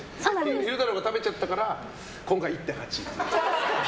昼太郎が食べちゃったから今回は１．８ｋｇで。